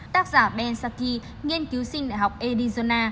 tác giả ben saki nghiên cứu sinh đại học erizona